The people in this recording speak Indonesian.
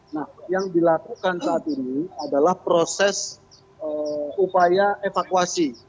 nah yang dilakukan saat ini adalah proses upaya evakuasi